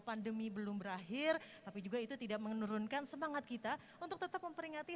pandemi belum berakhir tapi juga itu tidak menurunkan semangat kita untuk tetap memperingati